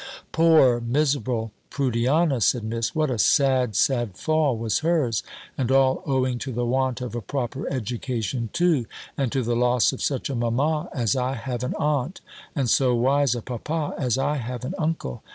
"Poor, miserable Prudiana!" said Miss "What a sad, sad fall was hers. And all owing to the want of a proper education too! And to the loss of such a mamma, as I have an aunt; and so wise a papa as I have an uncle!